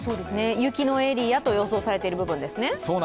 雪のエリアと予想されている部分ですね。